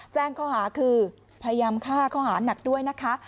แจ้งข้อหาคือพยายามฆ่าข้อหานักด้วยนะคะ